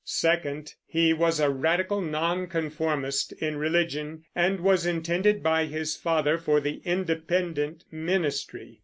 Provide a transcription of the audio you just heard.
Second, he was a radical Nonconformist in religion, and was intended by his father for the independent ministry.